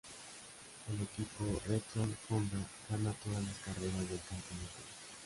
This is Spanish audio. El equipo Repsol-Honda gana todas las carreras del campeonato.